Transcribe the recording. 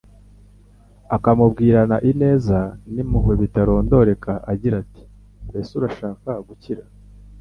akamubwirana ineza n’impuhwe bitarondoreka agira ati, “Mbese urashaka gukira?